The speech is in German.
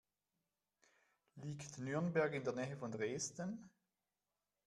Liegt Nürnberg in der Nähe von Dresden?